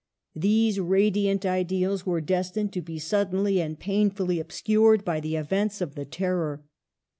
These radiant ideals were destined to be suddenly and painfully obscured by the events of the Terror.